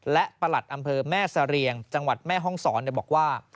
และประหลัดอำเภอแม่เสรียงจังหวัดแม่ห้องศรบอกว่า